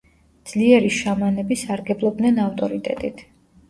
ძლიერი შამანები სარგებლობდნენ ავტორიტეტით.